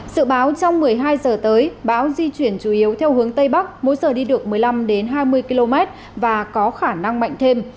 sự báo trong một mươi hai giờ tới bão di chuyển chủ yếu theo hướng tây bắc mỗi giờ đi được một mươi năm hai mươi km và có khả năng mạnh thêm